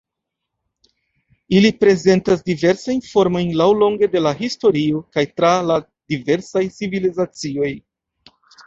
Ili prezentas diversajn formojn laŭlonge de la historio kaj tra la diversaj civilizacioj.